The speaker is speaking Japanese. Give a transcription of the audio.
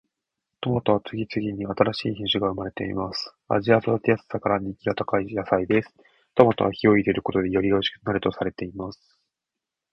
トマトは次々に新しい品種が生まれています。味や育てやすさから人気が高い野菜です。トマトは火を入れることでよりおいしくなるとされています。